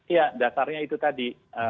ya dasarnya itu tadi